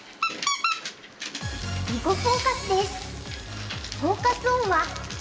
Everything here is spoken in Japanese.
「囲碁フォーカス」です。